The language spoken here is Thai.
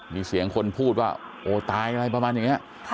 มีเสียงคนพูดว่าโอ้ตายอะไรประมาณอย่างนี้